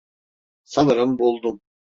Sanırım buldum.